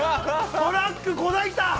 トラック５台来た！？